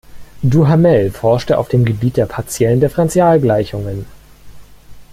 Duhamel forschte auf dem Gebiet der Partiellen Differentialgleichungen.